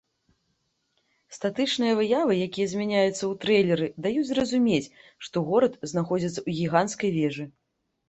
Статычныя выявы, якія змяняюцца ў трэйлеры даюць зразумець, што горад знаходзіцца ў гіганцкай вежы.